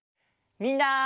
みんな！